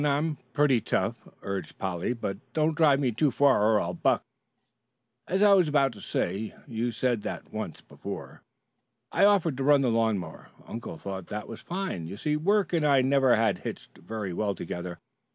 I'm pretty tough," urged Polly. "But don't drive me too far or I'll buck." "As I was about to say " "You said that once before." "I offered to run the lawn mower. Uncle thought that was fine. You see work and I never had hitched very well together.